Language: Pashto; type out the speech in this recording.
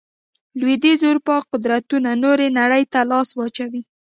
لوېدیځې اروپا قدرتونو نورې نړۍ ته لاس واچوي.